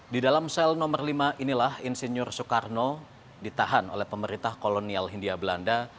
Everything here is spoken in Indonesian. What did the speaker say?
di dalam sel nomor lima inilah insinyur soekarno ditahan oleh pemerintah kolonial hindia belanda